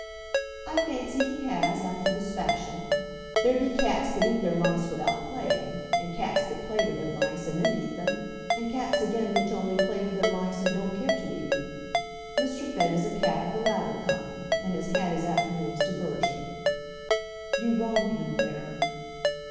"I fancy he has, after his fashion. There be cats that eat their mice without playing, and cats that play with their mice, and then eat them; and cats again which only play with their mice, and don't care to eat them. Mr. Finn is a cat of the latter kind, and has had his afternoon's diversion." "You wrong him there."